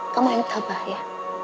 kamu yang tabah ya